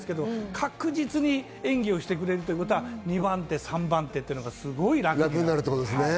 確実に演技をしてくれるということは、２番手、３番手がすごく楽になるという。